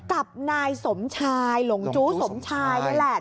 กับนายสมชายหลงจู้สมชายนั่นแหละ